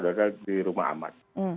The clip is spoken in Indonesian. adalah di rumah aman